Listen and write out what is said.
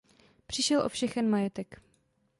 Přišel o všechen majetek.